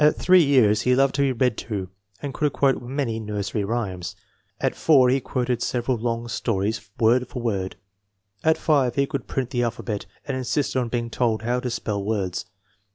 At 8 years he loved to be read to, and could quote many nursery rhymes. At 4 he quoted several long stories word for word. At 5 he could print the alphabet, and insisted on being told how to spell words."